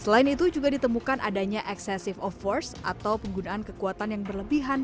selain itu juga ditemukan adanya excessive of force atau penggunaan kekuatan yang berlebihan